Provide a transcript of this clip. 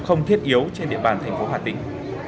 không thiết yếu trên địa bàn thành phố hà tĩnh